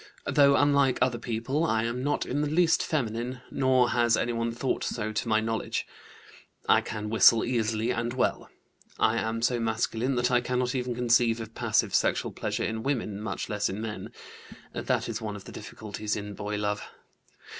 Though unlike other people, I am not in the least feminine, nor has anyone thought so to my knowledge. I can whistle easily and well. I am so masculine that I cannot even conceive of passive sexual pleasure in women, much less in men. (That is one of the difficulties in boy love.)